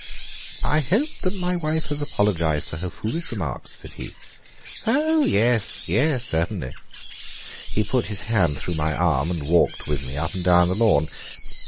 "I hope that my wife has apologized for her foolish remarks," said he. "Oh, yes yes, certainly!" He put his hand through my arm and walked with me up and down the lawn.